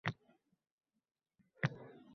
Menga hozirgina telefon qilishdi.